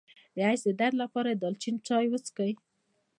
د حیض د درد لپاره د دارچینی چای وڅښئ